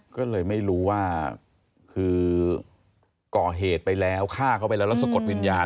ก็เลยไม่รู้ว่าคือก่อเหตุไปแล้วฆ่าเขาไปแล้วแล้วสะกดวิญญาณ